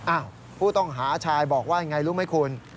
ผู้ต้องหาชายบอกว่าอย่างไรรู้ไหมคุณ